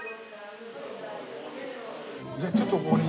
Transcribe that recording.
じゃあちょっとここに。